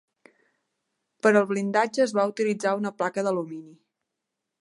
Per al blindatge es va utilitzar una placa d'alumini.